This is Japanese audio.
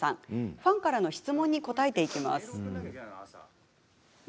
ファンからの質問に答えていきます。